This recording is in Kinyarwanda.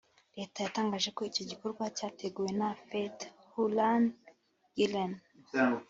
Leta yatangaje ko icyo gikorwa cyateguwe na Fethullah Gulen